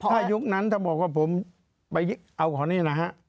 ถ้ายุคนั้นถ้าบอกว่าผมไปเอาเขานี่นะฮะ